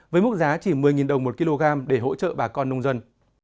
với mức giá chỉ một mươi đồng một kg để hỗ trợ bà con nông dân